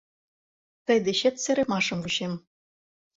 Тый дечет серымашым вучем.